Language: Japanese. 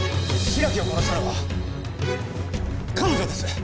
白木を殺したのは彼女です！